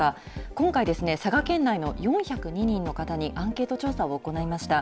今回、佐賀県内の４０２人の方にアンケート調査を行いました。